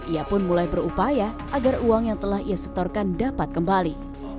ia pun mulai berupaya agar uang yang telah ia setorkan dapat kembali